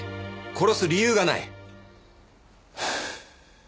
殺す理由がない。